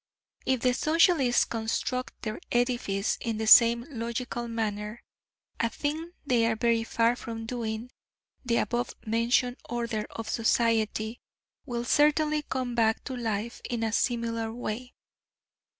If the Socialists construct their edifice in the same logical manner a thing they are very far from doing the above mentioned order of society will certainly come back to life in a similar way.